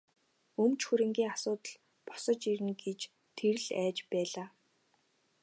Өмч хөрөнгийн асуудал босож ирнэ гэж тэр их айж байлаа.